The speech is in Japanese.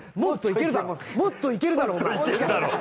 もっといけるだろ。